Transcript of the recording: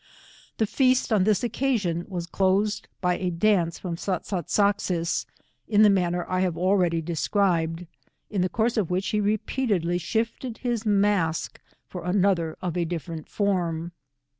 The feast on this occasion was closed by a dance firora Sat sai sak'Sis, in the manner I have already de scribed, in the course of which he repeatedly shifted his mask for another of a difl'erent form.